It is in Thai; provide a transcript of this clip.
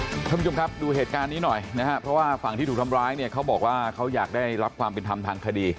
คุณผู้ชมครับดูเหตุการณ์นี้หน่อยนะฮะเพราะว่าฝั่งที่ถูกทำร้ายเนี่ยเขาบอกว่าเขาอยากได้รับความเป็นธรรมทางคดี